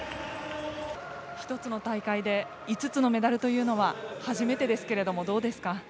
１つの大会で５つのメダルというのは初めてですけれども、どうですか。